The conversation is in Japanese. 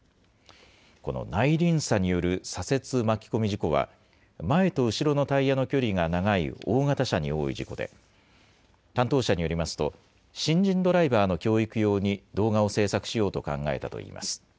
この内輪差による左折巻き込み事故は、前と後ろのタイヤの距離が長い大型車に多い事故で、担当者によりますと、新人ドライバーの教育用に動画を制作しようと考えたといいます。